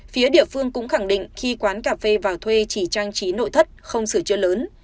phía địa phương cũng khẳng định khi quán cà phê vào thuê chỉ trang trí nội thất không sửa chữa lớn